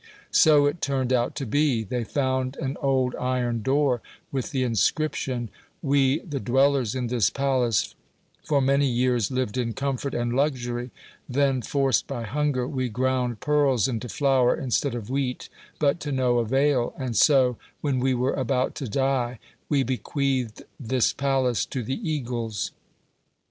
So it turned out to be. They found an old iron door with the inscription: "We, the dwellers in this palace, for many years lived in comfort and luxury; then, forced by hunger, we ground pearls into flour instead of wheat but to no avail, and so, when we were about to die, we bequeathed this palace to the eagles."